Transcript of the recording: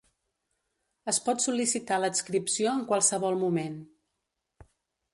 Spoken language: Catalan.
Es pot sol·licitar l'adscripció en qualsevol moment.